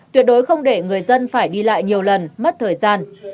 tuyệt đối không để người dân phải đi lại nhiều lần mất thời gian